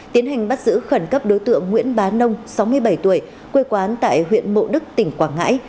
tiến hành bắt giữ khẩn cấp đối tượng nguyễn bá nông sáu mươi bảy tuổi quê quán tại huyện mộ đức tỉnh quảng ngãi